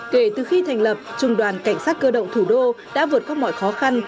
kể từ khi thành lập trung đoàn cảnh sát cơ động thủ đô đã vượt qua mọi khó khăn